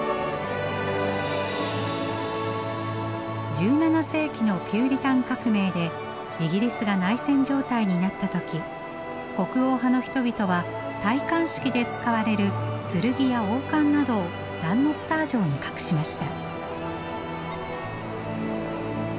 １７世紀のピューリタン革命でイギリスが内戦状態になった時国王派の人々は戴冠式で使われる剣や王冠などをダンノッター城に隠しました。